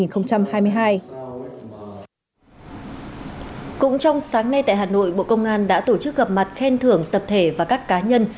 cũng trong sáng nay tại hà nội bộ công an đã tổ chức gặp mặt khen thưởng tập thể và các cá nhân